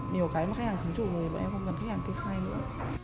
nhiều cái mà khách hàng sử dụng rồi thì bọn em không cần khách hàng kê khai nữa